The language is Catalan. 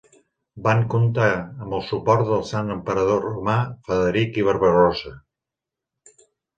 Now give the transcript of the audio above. Van comptar amb el suport del Sant emperador romà Frederic I Barbarossa.